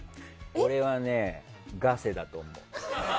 これはね、ガセだと思う。